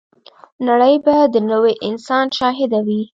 نړۍ به د نوي انسان شاهده وي.